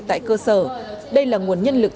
tại cơ sở đây là nguồn nhân lực